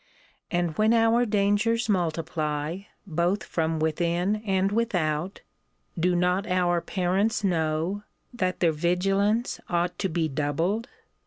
And when our dangers multiply, both from within and without, do not our parents know, that their vigilance ought to be doubled?